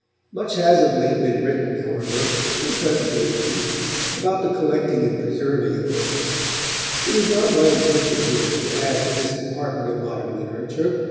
Much has of late been written, however, and pleasantly written, about the collecting and preserving of books. It is not my intention here to add to this department of modern literature.